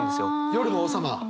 夜の王様。